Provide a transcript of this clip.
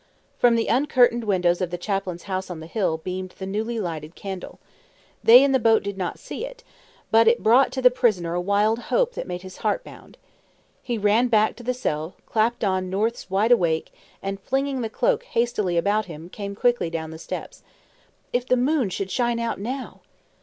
From the uncurtained windows of the chaplain's house on the hill beamed the newly lighted candle. They in the boat did not see it, but it brought to the prisoner a wild hope that made his heart bound. He ran back to the cell, clapped on North's wide awake, and flinging the cloak hastily about him, came quickly down the steps. If the moon should shine out now!